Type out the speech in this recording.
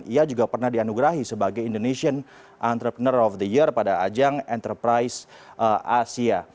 ia juga pernah dianugerahi sebagai indonesian entrepreneur of the year pada ajang enterprise asia